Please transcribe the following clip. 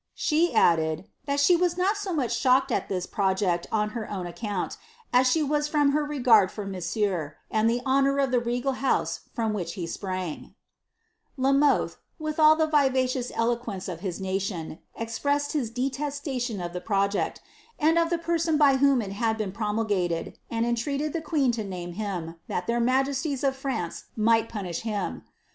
" She added, ^ thai she was not so much shocked at this project on her own account, as she was from her regard for nions ieur, and the lionour of the regal house from which he sprang." La Mothe, with all the vivacious eloquence of his nation, expressed 'DepScbei de la 31uitie Fvoeloa, loL W. 'ibid. SLISABBTH. 249 his detefftatioQ of the project, and of the person by whom it had been promulgated ; and entreated the queen to name him, that their majesties of France might punish him.